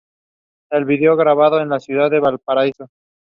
Chen presided over the meeting.